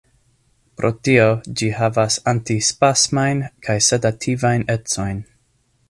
Pro tio ĝi havas antispasmajn kaj sedativajn ecojn.